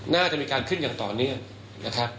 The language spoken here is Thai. น่าจะมีการขึ้นอย่างต่อเนื่องนะครับ